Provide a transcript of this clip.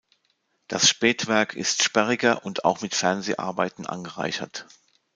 Das Spätwerk ist sperriger und auch mit Fernseharbeiten angereichert.